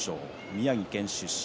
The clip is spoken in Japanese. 宮城県出身。